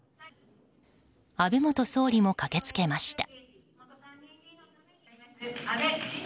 安倍元総理も駆けつけました。